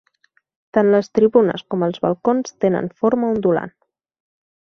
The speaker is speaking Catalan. Tant les tribunes com els balcons tenen forma ondulant.